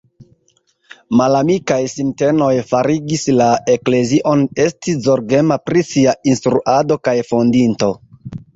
Malamikaj sintenoj farigis la eklezion esti zorgema pri sia instruado kaj fondinto.